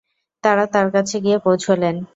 তারা তার কাছে গিয়ে পৌঁছলেন।